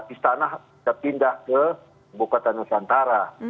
istana terpindah ke ibu kota nusantara